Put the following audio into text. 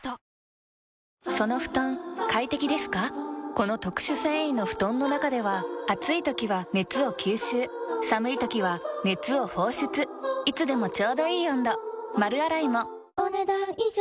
この特殊繊維の布団の中では暑い時は熱を吸収寒い時は熱を放出いつでもちょうどいい温度丸洗いもお、ねだん以上。